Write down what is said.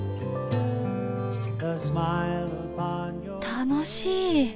楽しい。